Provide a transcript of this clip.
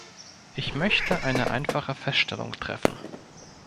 Ich möchte eine einfache Feststellung treffen.